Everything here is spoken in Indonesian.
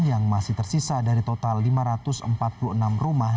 yang masih tersisa dari total lima ratus empat puluh enam rumah